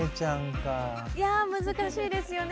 いや難しいですよね